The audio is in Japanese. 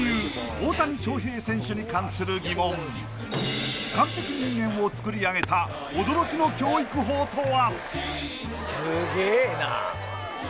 大谷翔平選手に関する疑問完璧人間をつくり上げた驚きの教育法とは！？